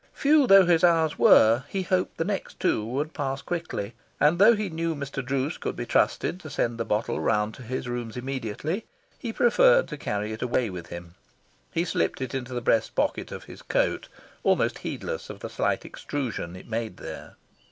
Few though his hours were, he hoped the next two would pass quickly. And, though he knew Mr. Druce could be trusted to send the bottle round to his rooms immediately, he preferred to carry it away with him. He slipped it into the breast pocket of his coat, almost heedless of the slight extrusion it made there.